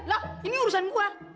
lah ini urusan gua